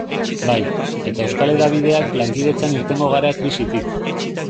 Bai, eta euskal hedabideak lankidetzan irtengo gara krisitik.